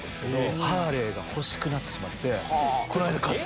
ハーレーが欲しくなってしまって。